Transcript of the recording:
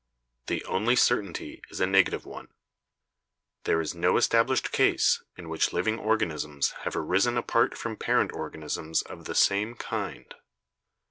The only certainty is a negative one — there is no established case in which living organisms have arisen apart from parent organisms of the same kind."